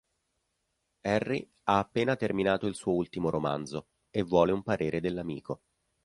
Harry ha appena terminato il suo ultimo romanzo e vuole un parere dell'amico.